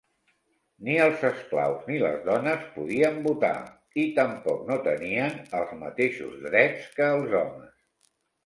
Ni els esclaus ni les dones podien votar, i tampoc no tenien els mateixos drets que els homes.